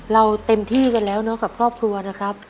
เต็มที่กันแล้วเนาะกับครอบครัวนะครับ